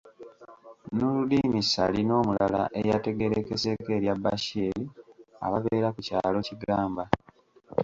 Noordin Ssali n'omulala eyategeerekeseeko erya Bashir ababeera ku kyalo Kigamba.